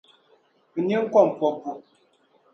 n nini kɔŋ pɔbbu.